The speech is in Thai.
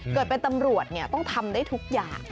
เกิดเป็นตำรวจต้องทำได้ทุกอย่าง